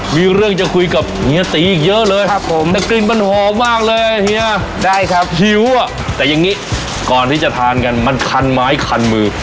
ได้ครับหิวอะแต่อย่างนี้ก่อนที่จะทานกันมันคันไม้คันมือ